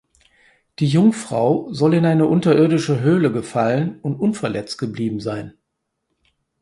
Die Jungfrau soll in eine unterirdische Höhle gefallen und unverletzt geblieben sein.